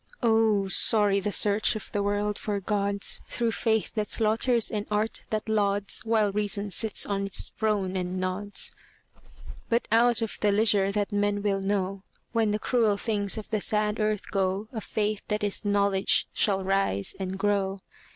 Oh, sorry the search of the world for gods, Through faith that slaughters and art that lauds, While reason sits on its throne and nods. But out of the leisure that men will know, When the cruel things of the sad earth go, A Faith that is Knowledge shall rise and grow.